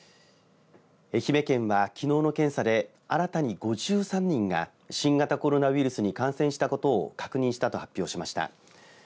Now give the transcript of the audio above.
愛媛県は、きのうの検査で新たに５３人が新型コロナウイルスに感染したことを確認したと発表しました。